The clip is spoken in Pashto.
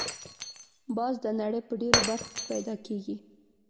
باز د نړۍ په ډېرو برخو کې پیدا کېږي